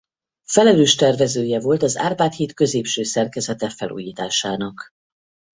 Felelős tervezője volt az Árpád híd középső szerkezete felújításának.